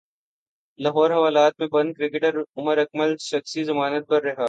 لاہور حوالات مں بند کرکٹر عمر اکمل شخصی ضمانت پر رہا